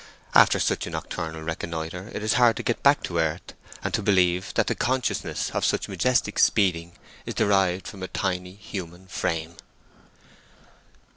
After such a nocturnal reconnoitre it is hard to get back to earth, and to believe that the consciousness of such majestic speeding is derived from a tiny human frame.